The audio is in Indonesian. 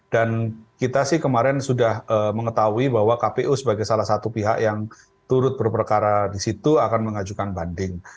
dan kita sih kemarin sudah mengetahui bahwa kpu sebagai salah satu pihak yang turut berperkara di situ akan mengajukan banding